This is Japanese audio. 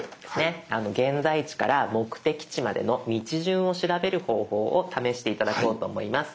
現在地から目的地までの道順を調べる方法を試して頂こうと思います。